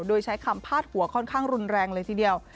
โดยใช้คำพาดหัวค่อนข้างรุนแรงเลยทีเดียว